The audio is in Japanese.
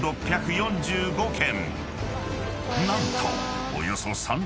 ［何と］